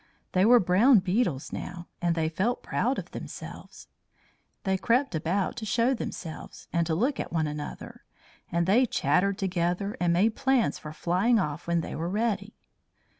They were brown beetles now, and they felt proud of themselves. They crept about to show themselves and to look at one another, and they chattered together and made plans for flying off when they were ready.